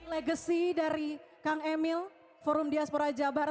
legacy dari kang emil forum diaspora jabar